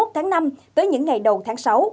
ba mươi một tháng năm tới những ngày đầu tháng sáu